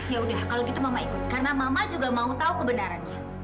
ya udah kalau gitu mama ikut karena mama juga mau tahu kebenarannya